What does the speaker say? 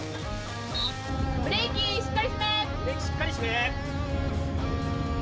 ブレーキしっかり締め。